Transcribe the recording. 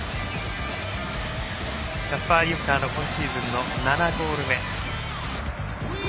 キャスパー・ユンカーの今シーズンの７ゴール目。